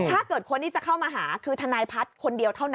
ถ้าเกิดคนที่จะเข้ามาหาคือทนายพัฒน์คนเดียวเท่านั้น